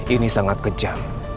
ini sangat kejam